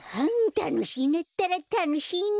たのしいなったらたのしいなん？